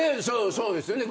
そうですよね。